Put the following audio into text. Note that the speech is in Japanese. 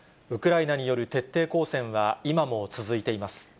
ウクライナによる徹底抗戦は、今も続いています。